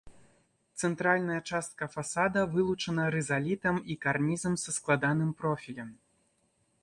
Цэнтральная частка фасада вылучана рызалітам і карнізам са складаным профілем.